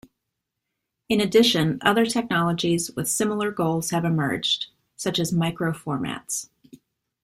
In addition, other technologies with similar goals have emerged, such as microformats.